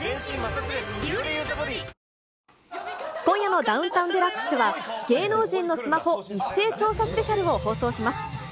今夜のダウンタウンＤＸは芸能人のスマホ一斉調査スペシャルを放送します。